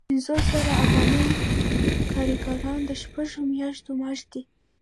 پنځوس زره افغانۍ د کارګرانو د شپږو میاشتو معاش دی